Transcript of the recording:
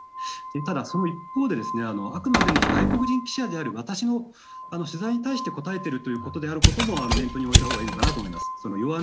その一方であくまでも外国人記者の私の取材に答えているということを念頭に置いたほうがいいのかなと思います。